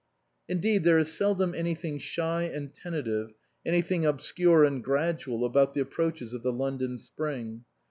Indeed there is seldom anything shy and tentative, anything obscure and gradual about the approaches of the London Spring.